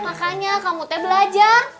makanya kamu teh belajar